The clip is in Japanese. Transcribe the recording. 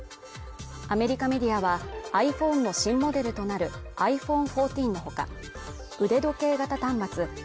アメリカメディアはｉＰｈｏｎｅの新モデルとなるｉＰｈｏｎｅ１４のほか腕時計型端末